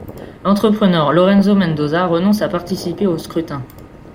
L'entrepreneur Lorenzo Mendoza renonce à participer au scrutin.